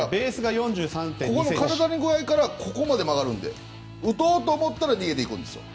ここの体の曲がりからここまで曲がるので打とうと思ったら逃げていく。